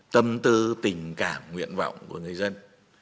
tâm tư tình cảm nguyện vọng của người dân